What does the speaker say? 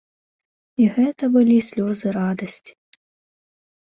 І гэта былі слёзы радасці.